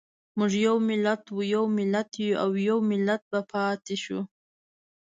موږ یو ملت وو، یو ملت یو او يو ملت به پاتې شو.